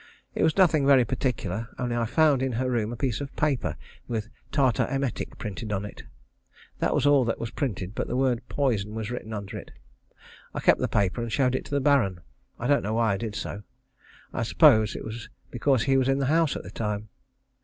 It was nothing very particular, only I found in her room a piece of paper with "Tartar Emetic" printed on it. That was all that was printed, but the word "Poison" was written under it. I kept the paper and showed it to the Baron. I don't know why I did so; I suppose because he was in the house at the time.